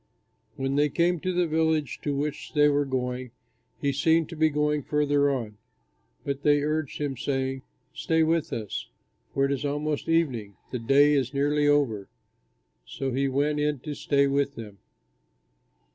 When they came to the village to which they were going, he seemed to be going farther on, but they urged him, saying, "Stay with us, for it is almost evening, the day is nearly over." So he went in to stay with them.